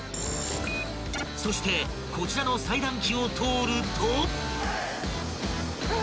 ［そしてこちらのさい断機を通ると］